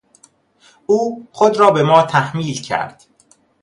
او خود را به ما تحمیل کرد.